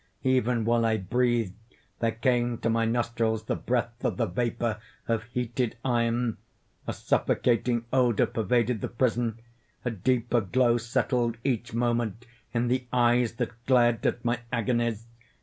_—Even while I breathed there came to my nostrils the breath of the vapour of heated iron! A suffocating odour pervaded the prison! A deeper glow settled each moment in the eyes that glared at my agonies!